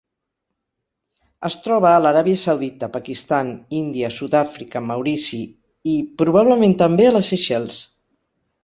Es troba a l'Aràbia Saudita, Pakistan, Índia, Sud-àfrica, Maurici i, probablement també, a les Seychelles.